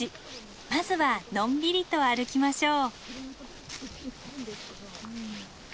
まずはのんびりと歩きましょう。